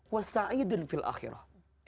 wa sa'idun fil akhirah